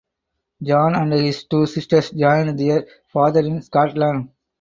John and his two sisters joined their father in Scotland.